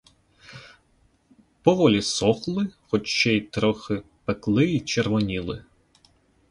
Поволі сохли, хоч ще трохи пекли й червоніли.